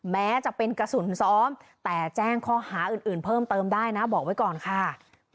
แม้จะเป็นกระสุนซ้อมแต่แจ้งข้อหาอื่นเพิ่มเติมได้นะบอกไว้ก่อนค่ะ